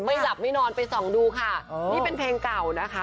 หลับไม่นอนไปส่องดูค่ะนี่เป็นเพลงเก่านะคะ